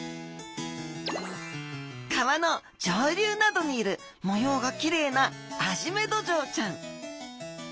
川の上流などにいる模様がきれいなアジメドジョウちゃん。